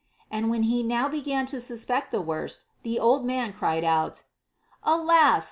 And when he now began to suspect the worst, the old man cried out, Alas